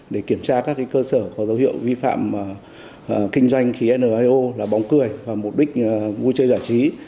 để kiểm tra các cơ sở có dấu hiệu vi phạm kinh doanh khí nio là bóng cười và mục đích vui chơi giải trí